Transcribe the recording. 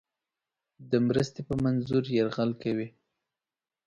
د مرستې په منظور یرغل کوي.